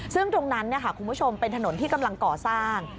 ซึ่งตรงนั้นคุณผู้ชมเป็นถนนที่กำลังก่อสร้าง